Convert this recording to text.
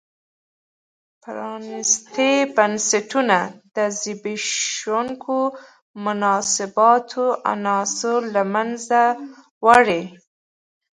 پرانیستي بنسټونه د زبېښونکو مناسباتو عناصر له منځه وړي.